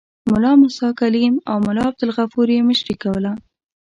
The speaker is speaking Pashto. ملا موسی کلیم او ملا عبدالغفور یې مشري کوله.